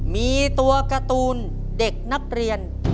มีตัวการ์ตูนเด็กนักเรียน